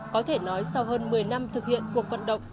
có thể nói sau hơn một mươi năm thực hiện cuộc vận động